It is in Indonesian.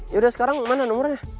yaudah sekarang mana nomernya